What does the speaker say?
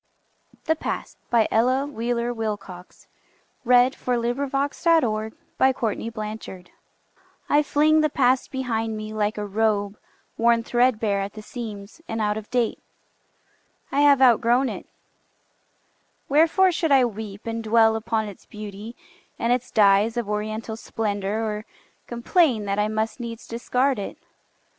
or him alway. Ella Wheeler Wilcox The Past I FLING the past behind me, like a robe Worn threadbare at the seams, and out of date. I have outgrown it. Wherefore should I weep And dwell upon its beauty, and its dyes Of oriental splendor, or complain That I must needs discard it?